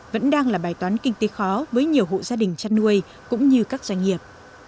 vẫn đang là bài toán kinh tế khó với nhiều hộ gia đình chăn nuôi cũng như các doanh nghiệp